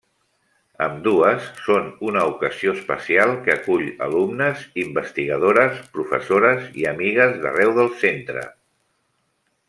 Ambdues són una ocasió especial que acull alumnes, investigadores, professores i amigues d'arreu del Centre.